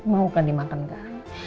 mau kan dimakan kan